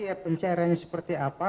jadi pencairannya seperti apa